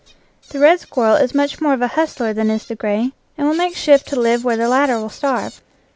The red squirrel is much more of a " hustler " than is the gray, and will make shift to live where the latter will starve.